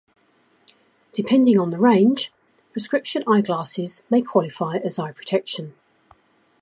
Depending on the range, prescription eyeglasses may qualify as eye protection.